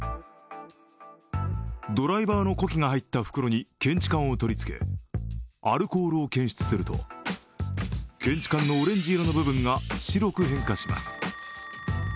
ドライバーの呼気が入った袋に検知管を取り付けアルコールを検出すると、検知管のオレンジ色の部分が白く変化します。